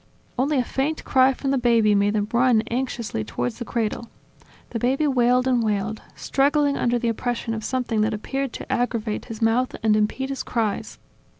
Only a faint cry from the baby made them run anxiously towards the cradle. The baby wailed and wailed, struggling under the oppression of something that appeared to aggravate his mouth and impede his cries